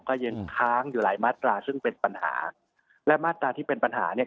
ก็ยังค้างอยู่หลายมาตราซึ่งเป็นปัญหาและมาตราที่เป็นปัญหาเนี่ย